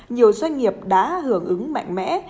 nhiều doanh nghiệp đã hưởng ứng mạnh mẽ